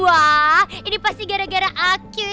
wah ini pasti gara gara aku